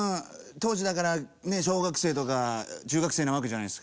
当時だからねえ小学生とか中学生なわけじゃないですか。